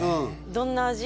どんな味？